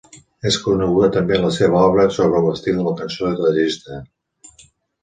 És coneguda també la seva obra sobre l'estil de la cançó de gesta.